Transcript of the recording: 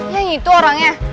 yang itu orangnya